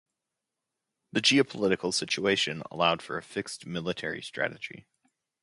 The geopolitical situation allowed for a fixed military strategy.